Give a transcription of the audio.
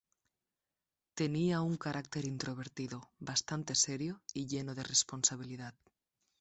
Tenía un carácter introvertido, bastante serio y lleno de responsabilidad.